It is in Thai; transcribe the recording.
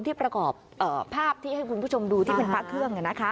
ประกอบภาพที่ให้คุณผู้ชมดูที่เป็นพระเครื่อง